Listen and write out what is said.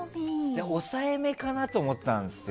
抑えめかなと思ったんですよ。